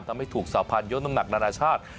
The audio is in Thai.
ทำให้ถูกสาพันธ์ยนน้ำหนักนานาชาติ